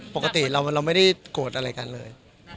ปกติเราไม่ได้โกรธอะไรกันเลย